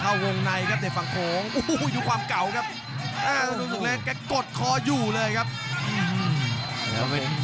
เอาเลยครับ๓นาทีสุดท้าย